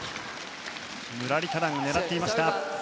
ムラリタラン、狙っていました。